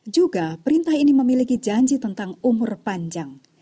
juga perintah ini memiliki janji tentang umur panjang